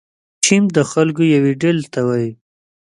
ټیم د خلکو یوې ډلې ته وایي.